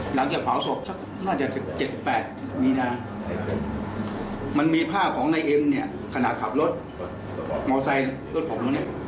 หลังจากเผาศพน่าจะ๗๘มีนามันมีผ้าของนายเอ็มขนาดขับรถมอเซย์รถผม